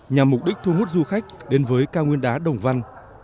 nhằm mục đích thu hút du khách đến với cao nguyên đá đồng văn